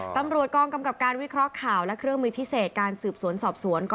ตำรวจกองกำกับการวิเคราะห์ข่าวและเครื่องมือพิเศษการสืบสวนสอบสวน